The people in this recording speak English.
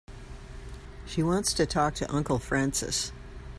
She wants to talk to Uncle Francis.